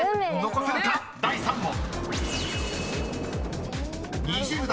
［残せるか⁉第３問］